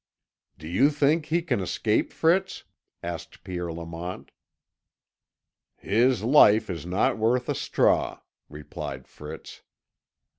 "Do you think he can escape, Fritz?" asked Pierre Lamont. "His life is not worth a straw," replied Fritz.